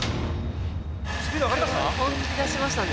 スピード上がりました？